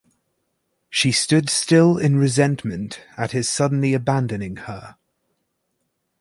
She stood still in resentment at his suddenly abandoning her.